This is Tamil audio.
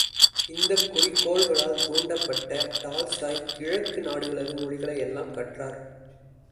இந்தக் குறிக்கோள்களால் தூண்டப்பட்ட டால்ஸ்டாய், கிழக்கு நாடுகளது மொழிகளை எல்லாம் கற்றார்.